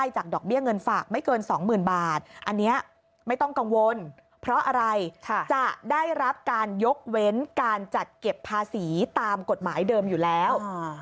จะได้รับการยกเว้นการจัดเก็บภาษีตามกฎหมายเดิมอยู่แล้ว